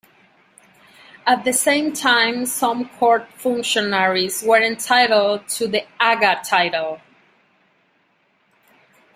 At the same time some court functionaries were entitled to the "agha" title.